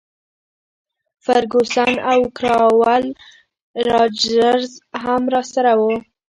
فرګوسن او کراول راجرز هم راسره وو.